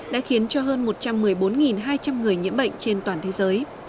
đã khiến cho hơn một trăm một mươi bốn hai trăm linh người nhiễm bệnh trên toàn thế giới